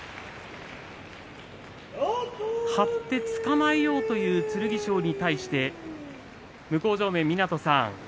張って、つかまえようという剣翔に対して向正面、湊さん